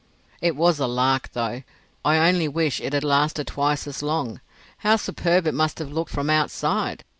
"It was a lark, though. I only wish it had lasted twice as long. How superb it must have looked from outside!"